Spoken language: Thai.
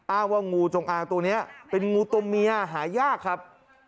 อ้างว่างูจงอางตัวนี้เป็นงูตัวเมียหายากครับ